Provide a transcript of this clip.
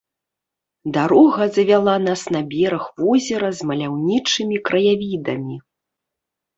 Дарога завяла нас на бераг возера з маляўнічымі краявідамі.